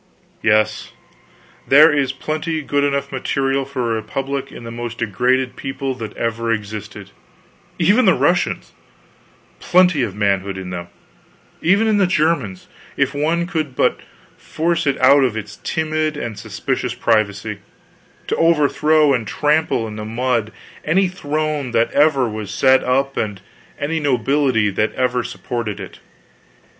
Yes, there is plenty good enough material for a republic in the most degraded people that ever existed even the Russians; plenty of manhood in them even in the Germans if one could but force it out of its timid and suspicious privacy, to overthrow and trample in the mud any throne that ever was set up and any nobility that ever supported it.